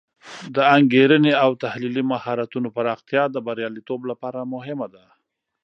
د انګیرنې او تحلیلي مهارتونو پراختیا د بریالیتوب لپاره مهمه ده.